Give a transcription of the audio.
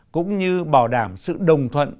cũng như bảo đảm sự đồng thuận